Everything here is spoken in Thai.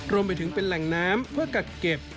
รวมไปถึงเป็นแหล่งน้ำเพื่อกักเก็บ